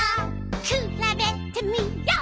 「くらべてみよう！」